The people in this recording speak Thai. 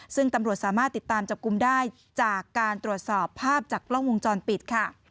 ซึ่งตำรวจสามารถติดตามจับกลุ่มได้จากการตรวจสอบภาพจากกล้องวงจรปิดค่ะ